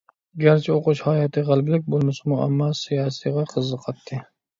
گەرچە ئوقۇش ھاياتى غەلىبىلىك بولمىسىمۇ، ئەمما سىياسىيغا قىزىقاتتى.